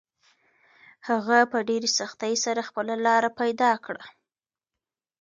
هغه په ډېرې سختۍ سره خپله لاره پیدا کړه.